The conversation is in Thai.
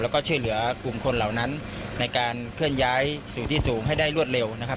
แล้วก็ช่วยเหลือกลุ่มคนเหล่านั้นในการเคลื่อนย้ายสู่ที่สูงให้ได้รวดเร็วนะครับ